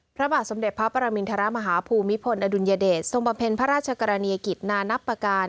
พระบาทสมเด็จพระปรมินทรมาฮภูมิพลอดุลยเดชทรงบำเพ็ญพระราชกรณียกิจนานับประการ